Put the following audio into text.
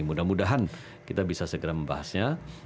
mudah mudahan kita bisa segera membahasnya